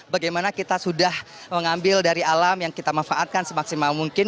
bagaimana kita sudah mengambil dari alam yang kita manfaatkan semaksimal mungkin